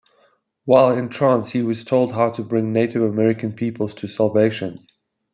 While in trance he was told how to bring Native American peoples to salvation.